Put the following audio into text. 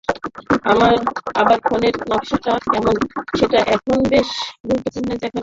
আবার ফোনের নকশাটা কেমন, সেটা এখন বেশ গুরুত্বের সঙ্গেই দেখেন ক্রেতারা।